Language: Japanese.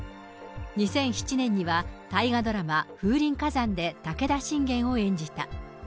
２００７年には大河ドラマ、風林火山で武田信玄を演じた。